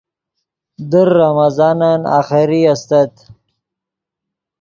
در رمضانن آخری استت